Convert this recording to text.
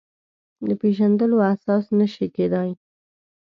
د پېژندلو اساس نه شي کېدای.